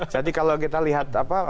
jadi kalau kita lihat apa